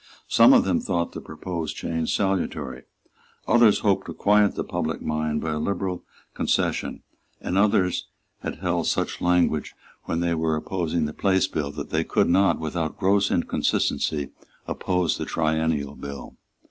Some of them thought the proposed change salutary; others hoped to quiet the public mind by a liberal concession; and others had held such language when they were opposing the Place Bill that they could not, without gross inconsistency, oppose the Triennial Bill.